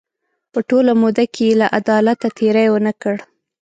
په ټوله موده کې له عدالته تېری ونه کړ.